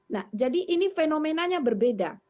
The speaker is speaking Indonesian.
nah jadi ini fenomenanya berbeda